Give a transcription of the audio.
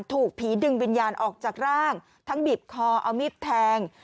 ถูกผีดึงวิญญาณออกจากร่างทั้งบีบคอเอามีดแทง